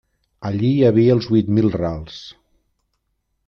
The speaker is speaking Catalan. Allí hi havia els huit mil rals.